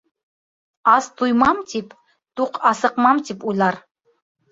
Ас туймам тип, туҡ асыҡмам тип уйлар.